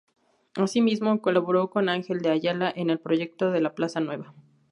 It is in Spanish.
Así mismo, colaboró con Ángel de Ayala en el proyecto de la Plaza Nueva.